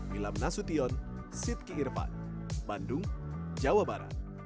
milam nasution sitki irfan bandung jawa barat